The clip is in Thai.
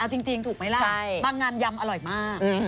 เอาจริงถูกไหมล่ะบางงานยำอร่อยมาก